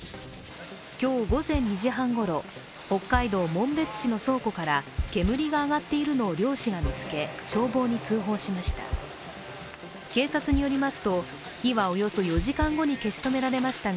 今日午前２時半ごろ、北海道紋別市の倉庫から煙が上がっているのを漁師が見つけ、消防に通報しました。